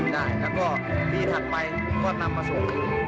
ได้และตีถัดไปก็นำมาส่วนเลย